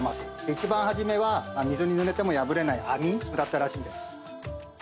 一番はじめは水にぬれても破れない網だったらしいんです